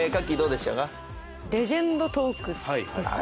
レジャンドトークですか？